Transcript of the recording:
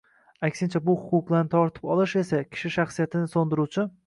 Aksincha, bu huquqlarni tortib olish esa kishi shaxsiyatini so‘ndiruvchi